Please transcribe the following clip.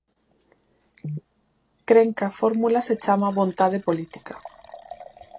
Cren que a fórmula se chama 'vontade política'.